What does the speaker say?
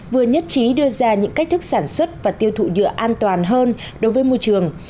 vừa nhất trí đưa ra những cách thức sản xuất và tiêu thụ nhựa an toàn hơn đối với môi trường